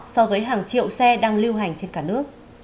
so với hàng triệu xe đang lưu hành trên cả nước